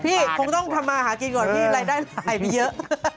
คงต้องทำมาหากินก่อนพี่รายได้หายไปเยอะ